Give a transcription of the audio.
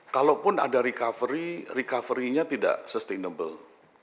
kalaupun ada recovery recovery nya tidak sustainable